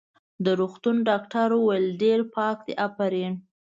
د روغتون ډاکټر وویل: ډېر پاک دی، افرین.